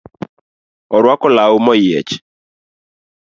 Orwako law moyiech